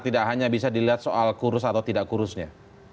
tidak hanya bisa dilihat soal kurus atau tidak kurusnya